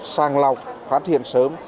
sàng lọc phát hiện sớm